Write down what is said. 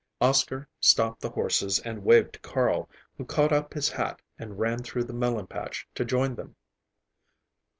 Oscar stopped the horses and waved to Carl, who caught up his hat and ran through the melon patch to join them.